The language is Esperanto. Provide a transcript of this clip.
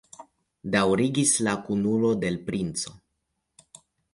daŭrigis la kunulo de l' princo.